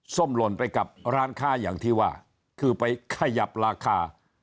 ส้มหล่นไปกับร้านค้าอย่างที่ว่าคือไปขยับราคา